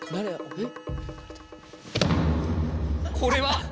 えっ？